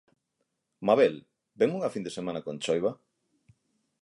Mabel, vén unha fin de semana con choiva?